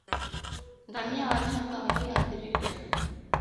ngamia wachanga walioathirika